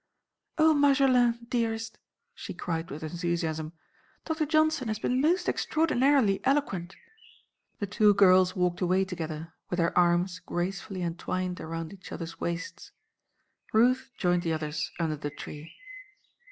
"Oh, Marjolaine, dearest!" she cried with enthusiasm, "Doctor Johnson has been most extraordinarily eloquent!" The two girls walked away together with their arms gracefully entwined around each other's waists. Ruth joined the others under the tree.